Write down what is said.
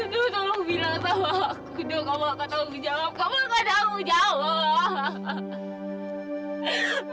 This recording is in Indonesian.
dok tolong bilang sama aku dok kamu gak ketahuan jawab kamu gak tahu jawab